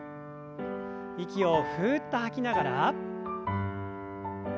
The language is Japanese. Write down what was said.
息をふっと吐きながら。